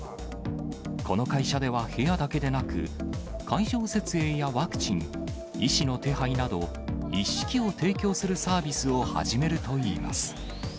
この会社では部屋だけでなく、会場設営やワクチン、医師の手配など、一式を提供するサービスを始めるといいます。